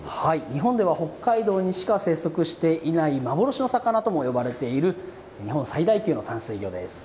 日本では北海道にしか生息してない幻と魚ともいわれている日本最大級の淡水魚です。